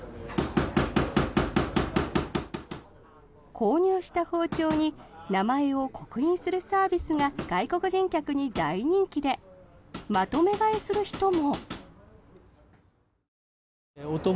購入した包丁に名前を刻印するサービスが外国人客に大人気でまとめ買いする人も。